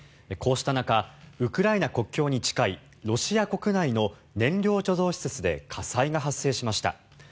こうした中ウクライナ国境に近いロシア国内の燃料貯蔵施設で火災が発生しました。